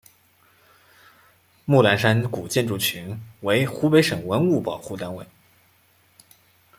木兰山古建筑群为湖北省文物保护单位。